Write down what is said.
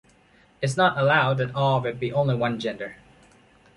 It’s not allowed that all of it be only one gender.